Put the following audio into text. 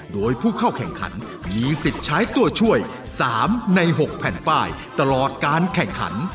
โดยผู้เข้าแข่งขันมีสิทธิ์ใช้ตัวช่วย๓ใน๖แผ่นป้ายตลอดการแข่งขัน